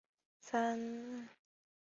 后因钱学森暂时无法离美而未果。